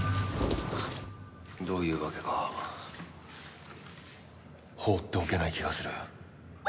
どういうわけか放っておけない気がする。